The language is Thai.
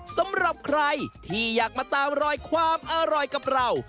สำหรับใครที่อยากมาตามรอยความอร่อยกับเรา